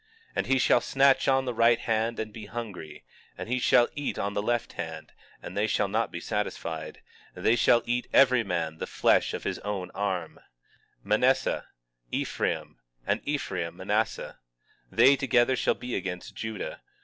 19:20 And he shall snatch on the right hand and be hungry; and he shall eat on the left hand and they shall not be satisfied; they shall eat every man the flesh of his own arm— 19:21 Manasseh, Ephraim; and Ephraim, Manasseh; they together shall be against Judah.